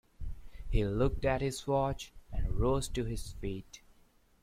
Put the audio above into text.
He looked at his watch and rose to his feet.